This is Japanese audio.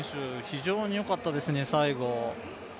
非常によかったですね、最後。